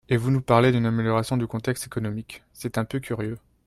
Et vous nous parlez d’une amélioration du contexte économique, c’est un peu curieux